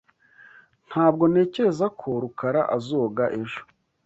Ntabwo ntekereza ko Rukara azoga ejo.